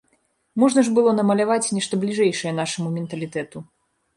Можна ж было намаляваць нешта бліжэйшае нашаму менталітэту.